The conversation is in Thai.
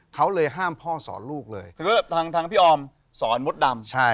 เขาเลยห้ามพ่อสอนลูกเลยทางพี่ออมสอนมดดำ